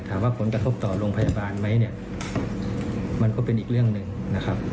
ถามว่าผลกระทบต่อโรงพยาบาลไหมเนี่ยมันก็เป็นอีกเรื่องหนึ่งนะครับ